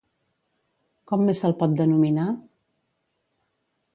Com més se'l pot denominar?